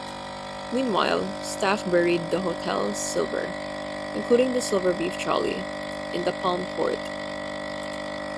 Meanwhile, staff buried the hotel silver-including the silver beef trolley-in the Palm Court.